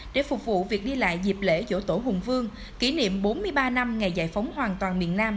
để phục vụ việc đi lại dịp lễ dỗ tổ hùng vương kỷ niệm bốn mươi ba năm ngày giải phóng hoàn toàn miền nam